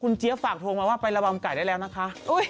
เจี๊ยบฝากโทรมาว่าไประวังไก่ได้แล้วนะคะ